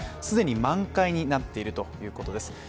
既に満開になっているということです。